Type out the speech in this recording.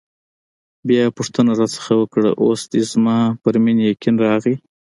بیا یې پوښتنه راڅخه وکړه: اوس دې زما پر مینې یقین راغلی؟